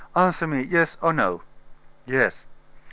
Answer me, yes or no." "Yes."